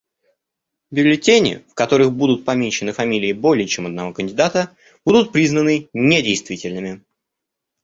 Бюллетени, в которых будут помечены фамилии более чем одного кандидата, будут признаны недействительными.